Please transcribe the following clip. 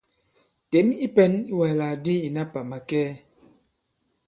Těm i pɛ̄n i wàslàk di ìna pà màkɛɛ!